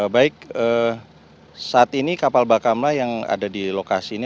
baik saat ini kapal bakamla yang ada di lokasi ini